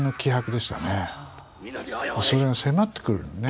でそれが迫ってくるのね。